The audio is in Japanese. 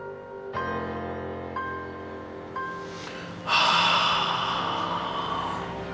はあ。